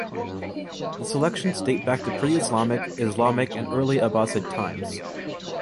The selections date back to pre-Islamic, Islamic and early 'Abbasid times.